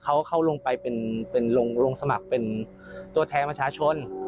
เขาเข้าลงไปเป็นลงสมัครเป็นตัวแทนประชาชน